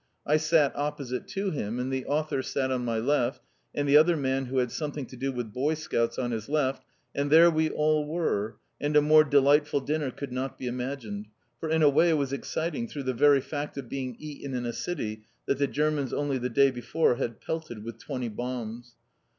I sat opposite to him, and the author sat on my left, and the other man who had something to do with Boy Scouts on his left, and there we all were, and a more delightful dinner could not be imagined, for in a way it was exciting through the very fact of being eaten in a city that the Germans only the day before had pelted with twenty bombs.